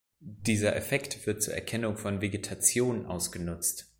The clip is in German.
Dieser Effekt wird zur Erkennung von Vegetation ausgenutzt.